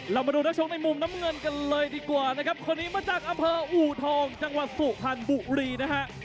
เรามาดูนักชกในมุมน้ำเงินกันเลยดีกว่านะครับคนนี้มาจากอำเภออูทองจังหวัดสุพรรณบุรีนะฮะ